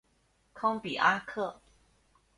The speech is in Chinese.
康比阿克。